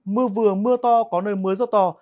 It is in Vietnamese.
mưa vừa mưa to có nơi mưa rất to